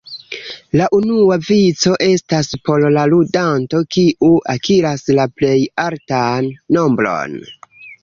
La unua vico estas por la ludanto kiu akiras la plej altan nombron.